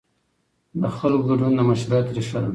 د خلکو ګډون د مشروعیت ریښه ده